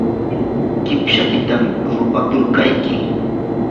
qipshaykitam rupakurqayki.